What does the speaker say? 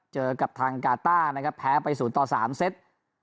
เจอกับทางกาต้านะครับแพ้ไป๐ต่อ๓เซต